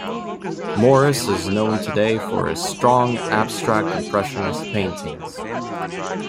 Morris is known today for his strong Abstract Impressionist paintings.